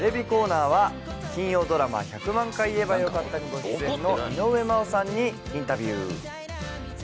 金曜ドラマ「１００万回言えばよかった」にご出演の井上真央さんにインタビュー。